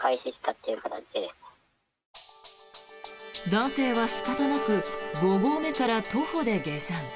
男性は仕方なく五合目から徒歩で下山。